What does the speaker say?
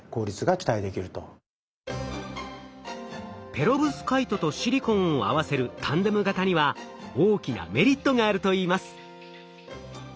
ペロブスカイトとシリコンを合わせるタンデム型には大きなメリットがあるといいます。